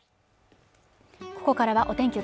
ここからはお天気